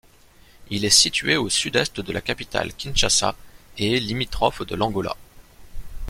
Il est situé au sud-est de la capitale Kinshasa et est limitrophe de l'Angola.